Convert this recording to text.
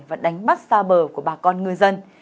và đánh bắt xa bờ của bà con ngư dân